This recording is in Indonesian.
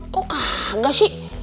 kok kagak sih